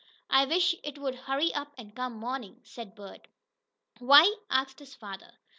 "I wish it would hurry up and come morning," said Bert. "Why?" asked his father.